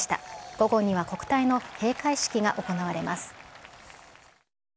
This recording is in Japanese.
午後には国体の閉会式が行われます。